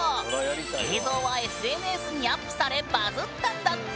映像はＳＮＳにアップされバズったんだって。